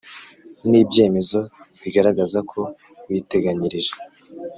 nibyemezo bigaragaza ko witeganyirije